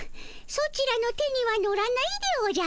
ソチらの手には乗らないでおじゃる。